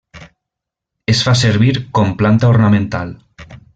Es fa servir com planta ornamental.